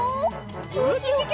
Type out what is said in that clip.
ウキキキ！